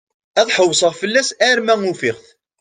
Ad ḥewseɣ fell-as arma ufiɣ-t.